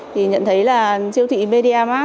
thì nhận thấy là siêu thị medimark